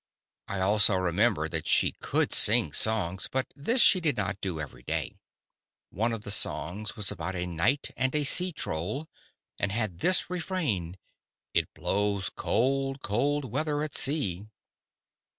I also remember that she could sing songs, but this she did not do every day. One of the songs was about a knight and a sea troll, and had this refrain: "It blows cold, cold weather at sea."